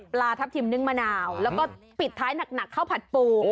ปลาทับทิมนึ่งมะนาวแล้วก็ปิดท้ายหนักข้าวผัดปู